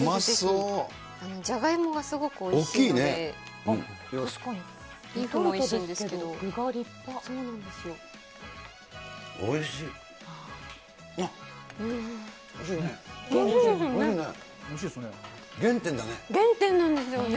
じゃがいもがすごくおいしい大きいね。